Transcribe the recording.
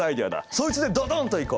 そいつでドドンといこう。